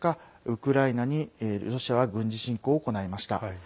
ウクライナにロシアは軍事侵攻を行いました。